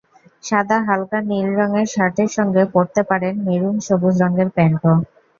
সাদা, হালকা নীল রঙের শার্টের সঙ্গে পরতে পারেন মেরুন, সবুজ রঙের প্যান্টও।